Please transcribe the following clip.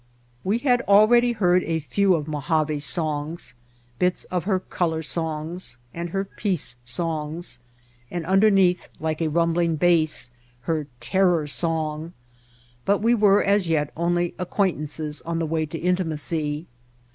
We had already heard a few of Mojave's songs, bits of her color songs, and her peace songs, and underneath like a rumbling bass her terror song — but we were as yet only acquaintances on the way to intimacy.